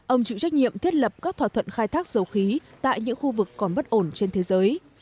ông chịu trách nhiệm thiết lập các thỏa thuận khai thác dầu khí tại những khu vực còn bất ổn trên thế giới